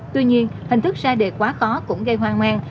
tuy nhiên hình thức ra đề quá có cũng gây hoang mang